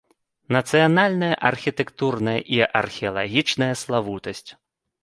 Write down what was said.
Нацыянальная архітэктурная і археалагічная славутасць.